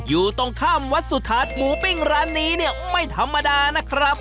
อยู่ตรงข้ามวัดสุทัศน์หมูปิ้งร้านนี้เนี่ยไม่ธรรมดานะครับ